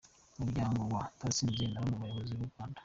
Umuryango wa Turatsinze na bamwe mu bayobozi b’u Rwanda